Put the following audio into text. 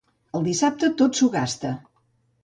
El dissabte tot s'ho gasta.